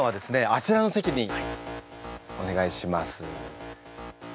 あちらの席にお願いします。